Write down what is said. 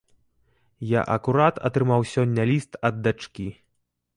Я акурат атрымаў сёння ліст ад дачкі.